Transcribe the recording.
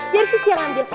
biar sisi yang ambil